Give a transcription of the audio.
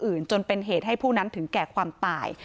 อื่นจนเป็นเหตุให้ผู้นั้นถึงแก่ความตาย